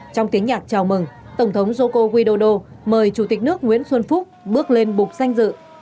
trong tiếng nhạc chào mừng tổng thống joko widodo mời chủ tịch nước nguyễn xuân phúc bước lên bục danh dự